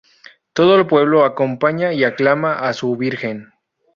Todo el pueblo acompaña y aclama a su Virgen.